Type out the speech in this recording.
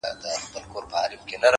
هره لاسته راوړنه ثبات غواړي,